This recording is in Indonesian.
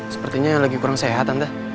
sepertinya lagi kurang sehat